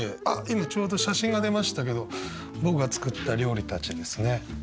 あっ今ちょうど写真が出ましたけど僕が作った料理たちですね。